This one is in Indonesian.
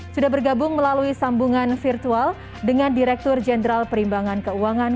sudah bergabung melalui sambungan virtual dengan direktur jenderal perimbangan keuangan